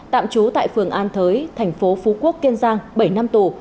tạm chú tại phường an thới tp phú quốc kiên giang bảy năm tù